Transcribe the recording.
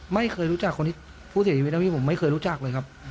ไม่เคยรู้จักคนที่ผู้เสียชีวิตนะพี่ผมไม่เคยรู้จักเลยครับ